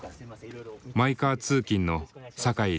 マイカー通勤の坂井瑠星。